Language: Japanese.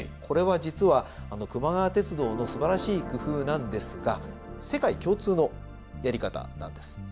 これは実はくま川鉄道のすばらしい工夫なんですが世界共通のやり方なんです。